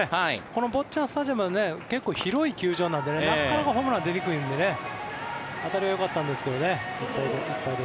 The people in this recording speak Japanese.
この坊っちゃんスタジアムは結構広い球場なので、なかなかホームランが出にくいので当たりはよかったんですが。